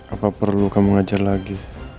apa perlu kamu ngajar lagi